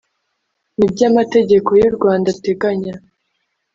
n ibyo Amategeko y u Rwanda ateganya